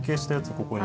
ここに。